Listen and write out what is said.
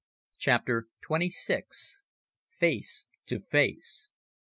CHAPTER TWENTY SIX. FACE TO FACE.